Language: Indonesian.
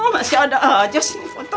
masih ada aja sih foto